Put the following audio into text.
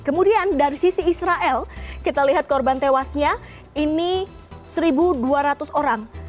kemudian dari sisi israel kita lihat korban tewasnya ini satu dua ratus orang